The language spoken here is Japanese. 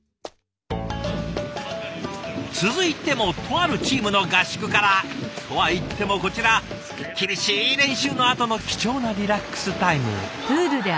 続いてもとあるチームの合宿から。とは言ってもこちら厳しい練習のあとの貴重なリラックスタイム。